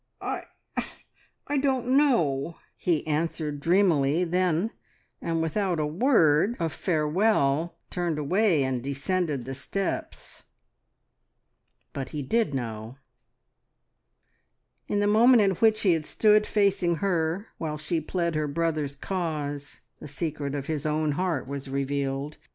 "I don't know!" he answered dreamily then, and without a word of farewell turned away and descended the steps. But he did know. In the moment in which he had stood facing her while she pled her brother's cause, the secret of his own heart was revealed.